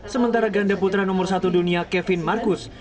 sementara ganda putra nomor satu dunia kevin marcus